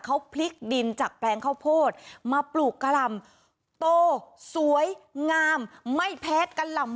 เขาพลิกดินจากแปลงข้าวโพดมาปลูกกะหล่ำโตสวยงามไม่แพ้กะหล่ำ